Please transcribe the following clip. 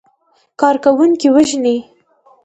کارکوونکي وژني.